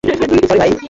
Sorry, ভাই।